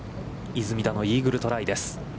出水田のイーグルトライです。